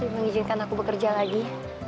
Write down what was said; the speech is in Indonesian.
mengizinkan aku bekerja lagi